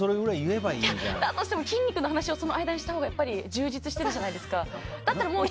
だとしても筋肉の話をその間にしたほうが充実してるじゃないですか。